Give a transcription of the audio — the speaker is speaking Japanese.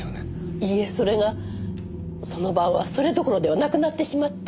いいえそれがその晩はそれどころではなくなってしまって。